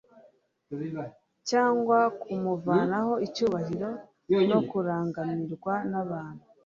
cyangwa kumuvanaho icyubahiro no kurangamirwa n’abantu